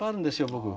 僕。